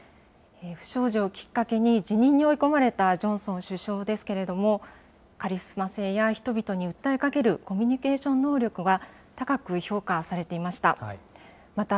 不祥事をきっかけに辞任に追い込まれたジョンソン首相ですけれども、カリスマ性や、人々に訴えかけるコミュニケーション能力は、高く評価されていました。